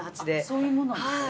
そういうものなんですか。